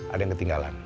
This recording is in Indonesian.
ada yang ketinggalan